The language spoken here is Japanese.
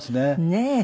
ねえ。